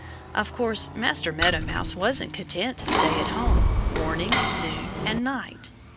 Of course Master Meadow Mouse wasn't content to stay at home morning, noon and night.